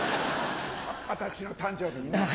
私の誕生日にね。